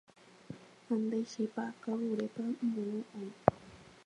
Ha nde chipa kavurépa moõ oĩ.